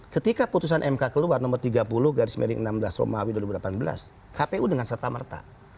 ketika putusan mk keluar nomor tiga puluh garis miring enam belas romawi dua ribu delapan belas kpu dengan serta merta